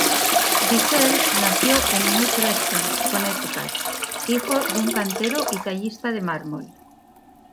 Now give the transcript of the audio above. Bissell nació en New Preston, Connecticut, hijo de un cantero y tallista de mármol.